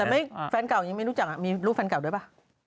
แต่แฟนเก่ายังไม่รู้จักมีลูกแฟนเก่าด้วยป่ะ